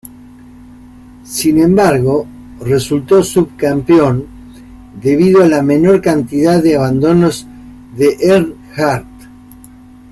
Sin embargo, resultó subcampeón debido a la menor cantidad de abandonos de Earnhardt.